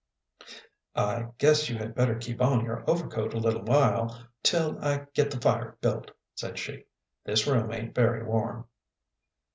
"I guess you had better keep on your overcoat a little while till I get the fire built," said she. "This room ain't very warm."